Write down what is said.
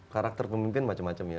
karakter pemimpin macam macam ya